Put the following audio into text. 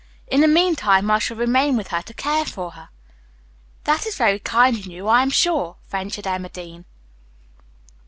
In the meantime I shall remain with her to care for her." "That is very kind in you, I am sure," ventured Emma Dean.